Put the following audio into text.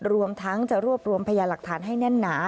รวมทั้งจะรวบรวมพยาหลักฐานให้แน่นหนา